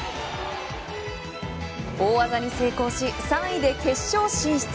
大技に成功し、３位で決勝進出。